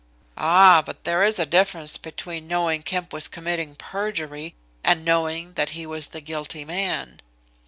"Ah, but there is a difference between knowing Kemp was committing perjury and knowing that he was the guilty man."